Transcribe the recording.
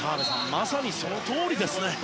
まさにそのとおりですね。